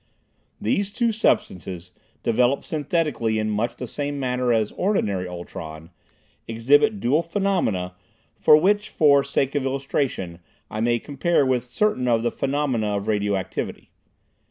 These two substances, developed synthetically in much the same manner as ordinary ultron, exhibit dual phenomena which for sake of illustration I may compare with certain of the phenomena of radioactivity.